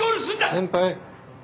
先輩。